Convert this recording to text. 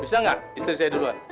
suster bisa gak istri saya duluan